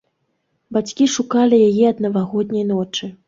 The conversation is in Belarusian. Бацькі шукалі яе ад навагодняй ночы.